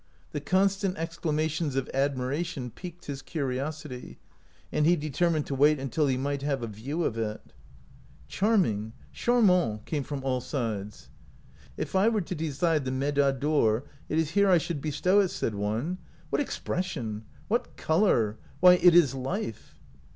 The constant exclamations of admiration piqued his curiosity, and he de termined to wait until he might have a view of it. 185 OUT OF BOHEMIA "Charming! Charmant!" came from all sides. "If I were to decide the medaille d'or, it is here I should bestow it," said one. "What expression! What color! W r hy, it is life!"